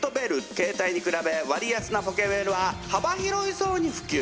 携帯に比べ割安なポケベルは幅広い層に普及。